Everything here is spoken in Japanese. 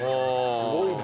すごいね。